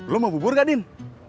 lo mau bubur gak din